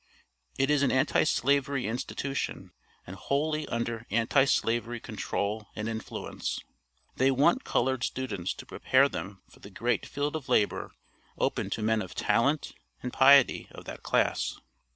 It is an Anti slavery institution, and wholly under Anti slavery control and influence. They want colored students to prepare them for the great field of labor open to men of talent and piety of that class.